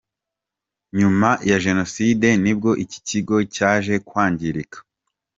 Nyuma ya Jenoside nibwo iki kigo cyaje kwangirika.